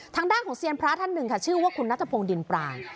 ทางด้านของเซียนพระท่านหนึ่งค่ะชื่อว่าคุณนัทพงศ์ดินปราง